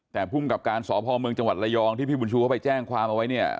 แต่ภูมิกับการสพเมืองจังหวัดระยองที่พี่บุญชูเขาไปแจ้งความเอาไว้เนี่ย